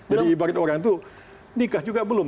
jadi ibarat orang itu nikah juga belum